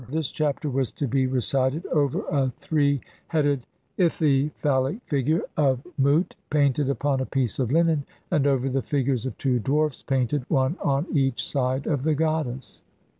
This Chapter was to be recited over CLX INTRODUCTION. a three headed, ithyphallic figure of Mut painted upon a piece of linen, and over the figures of two dwarfs painted one on each side of the goddess.